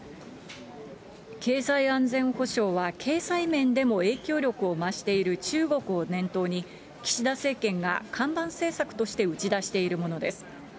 経済安全保障は経済面でも影響力を増している中国を念頭に、岸田政権が看板政策として打ち出しているものです。